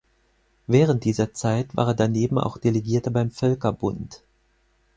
Während dieser Zeit war er daneben auch Delegierter beim Völkerbund.